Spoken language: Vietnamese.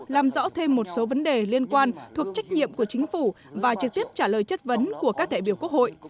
làm rõ thêm một số vấn đề liên quan thuộc trách nhiệm của chính phủ và trực tiếp trả lời chất vấn của các đại biểu quốc hội